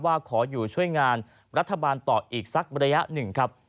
ขออยู่ช่วยงานรัฐบาลต่ออีกสักระยะหนึ่งครับ